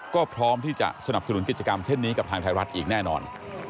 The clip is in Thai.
ก็พร้อมที่จะสนับสนุนกิจกรรมเช่นนี้กับทางไทยรัฐอีกแน่นอน